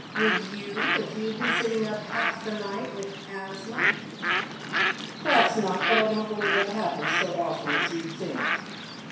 "Would you if you'd been sitting up half the night with asthma?" "Perhaps not; but I don't believe that happens so often as you think."